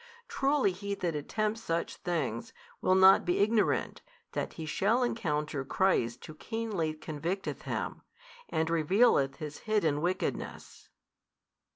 Truly he that attempts such things, will not be ignorant that he shall encounter Christ Who keenly convicteth him, and revealeth his hidden wickedness.